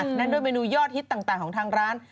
นั่นด้วยเมนูยอดฮิตต่างของทางร้าน